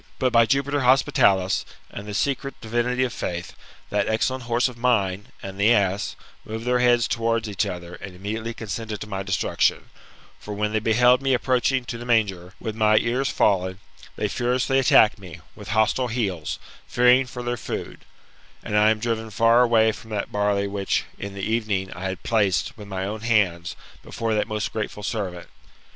But, by Jupiter Hospitalis, and the secret divinity of faith, that excellent horse of mine, and the ass, moved their heads towards each other, and immediately consented to my destruc tion; for, when they beheld me approaching to the manger, with my ears fallen, they furiously attacked me, with hostile heels, fearing for their food ; and I am driven far away from that barley which, in the evening, I had placed, with my own hands, before that most grateful servant.